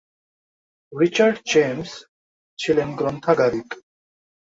Richard James ছিলেন গ্রন্থাগারিক।